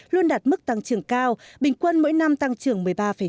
luôn đạt mức tăng trưởng cao bình quân mỗi năm tăng trưởng một mươi ba chín